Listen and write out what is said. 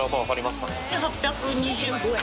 ８２５円。